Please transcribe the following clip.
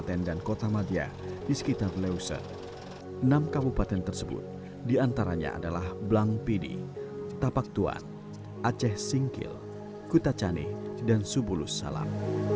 tidak kurang dari dua ratus lima puluh anggota pengamanan hutan tersebar di sekitar leuser